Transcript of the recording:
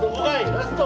ラスト！